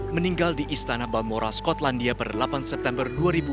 meninggal di istana balmora skotlandia per delapan september dua ribu dua puluh